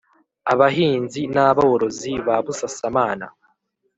Abahinzi n aborozi ba busasamana